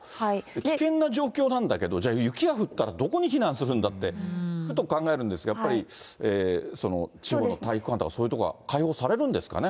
危険な状況なんだけど、じゃあ、雪が降ったらどこに避難するんだって、ふと考えるんですが、やっぱり、地方の体育館とか、そういう所が開放されるんですかね。